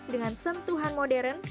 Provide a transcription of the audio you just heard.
dengan sentuhan modern